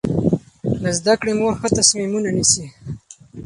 د زده کړې مور ښه تصمیمونه نیسي.